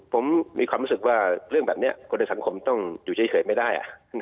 ผมมีความรู้สึกว่าเรื่องแบบนี้คนในสังคมต้องอยู่เฉยไม่ได้